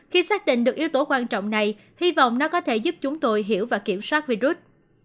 khi xác định được yếu tố quan trọng này hy vọng nó có thể giúp chúng tôi hiểu và kiểm soát virus